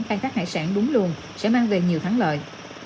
khai thác hải sản đúng luồng sẽ mang về nhiều thắng lợi